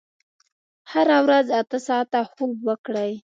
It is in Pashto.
هره ورځ اته ساعته خوب وکړئ.